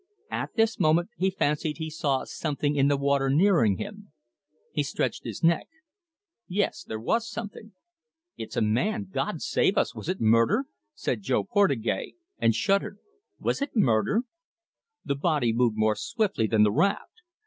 At this moment he fancied he saw something in the water nearing him. He stretched his neck. Yes, there was something. "It's a man. God save us was it murder?" said Jo Portugais, and shuddered. "Was it murder?" The body moved more swiftly than the raft.